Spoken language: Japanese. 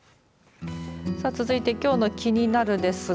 さあ続いてきょうのキニナル！ですが